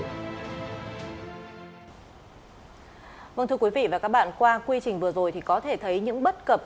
vâng thưa quý vị và các bạn qua quy trình vừa rồi thì có thể thấy những bất cập